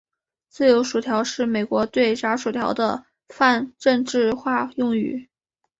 自由薯条是美国对炸薯条的泛政治化用语。